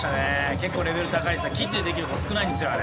結構レベル高いキッズでできる子少ないんですよあれ。